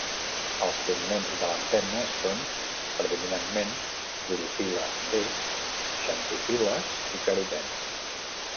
Els pigments de l'antena són predominantment clorofil·la "b", xantofil·les i carotens.